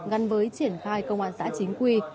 gắn với triển khai công an xã chính quy